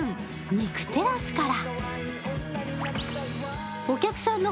２９テラスから。